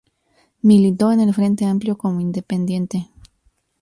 Militó en el Frente Amplio como independiente.